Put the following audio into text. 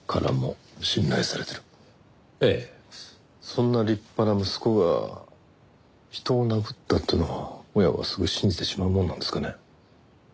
そんな立派な息子が人を殴ったっていうのを親はすぐ信じてしまうものなんですかね。